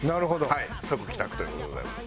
即帰宅という事でございます。